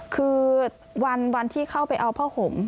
คือวันที่เข้าไปเอาผ้าห่ม